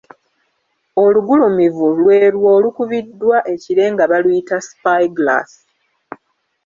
Olugulumivu lwe lwo olubikkiddwa ekire nga baluyita `Spy-glass'.